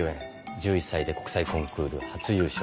１１歳で国際コンクール初優勝。